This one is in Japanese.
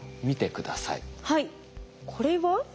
これは？